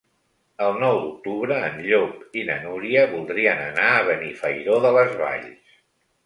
El nou d'octubre en Llop i na Núria voldrien anar a Benifairó de les Valls.